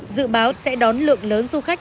dự báo sẽ đón lượng lớn du khách